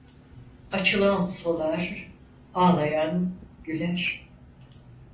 Açılan solar, ağlayan güler.